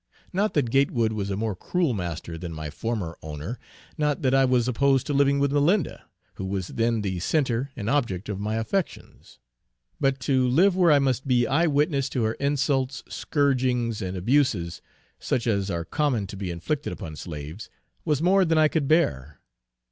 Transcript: Not that Gatewood was a more cruel master than my former owner not that I was opposed to living with Malinda, who was then the centre and object of my affections but to live where I must be eye witness to her insults, scourgings and abuses, such as are common to be inflicted upon slaves, was more than I could bear.